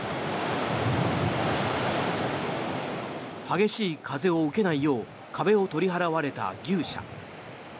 激しい風を受けないよう壁を取り払われた牛舎。